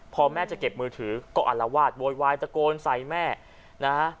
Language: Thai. พอแม่จะเก็บมือถือก็อัลวาดโวยวายตะโกนใส่แม่นะฮะ